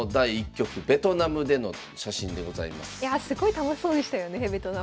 いやすごい楽しそうでしたよねベトナム。